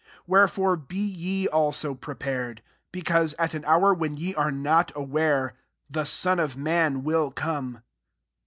40 Wherefore be ye prepared; because at an r when ye are not aware, the Mm of man will come."